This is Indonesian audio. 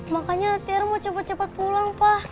makanya tiara mau cepet cepet pulang pa